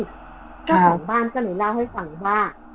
เจ้าของบ้านก็เลยเล่าให้ฟังว่า